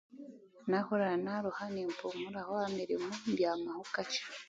Naahurira naaruha nimpumuraho aha mirimo mbyamaho kakye